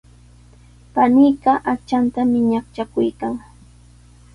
Paniiqa aqchantami ñaqchakuykan.